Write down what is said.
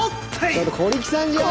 ちょっと小力さんじゃん！